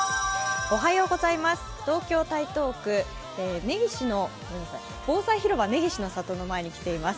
東京・台東区防災広場根岸の里の前に来ています。